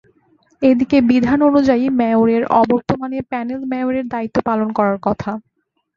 এদিকে বিধান অনুযায়ী মেয়রের অবর্তমানে প্যানেল মেয়রের দায়িত্ব পালন করার কথা।